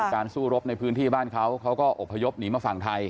การสู้รบในพื้นที่บ้านเขาเขาก็อบพยพหนีมาฝั่งไทย